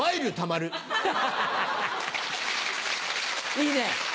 いいね。